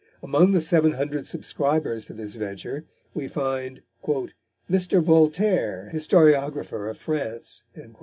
Among the seven hundred subscribers to this venture we find "Mr. Voltaire, historiographer of France," and M.